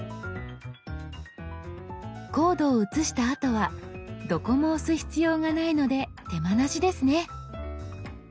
コードを写したあとはどこも押す必要がないので手間なしですね。